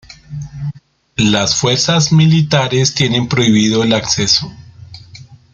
Las fuerzas militares tienen prohibido el acceso.